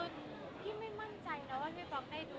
คือพี่ไม่มั่นใจนะว่าพี่ป๊อกได้ดู